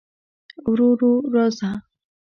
ورو ورو راځه